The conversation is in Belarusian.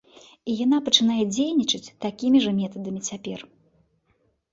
І яна пачынае дзейнічаць такімі ж метадамі цяпер.